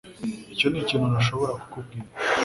Icyo nikintu ntashobora kukubwira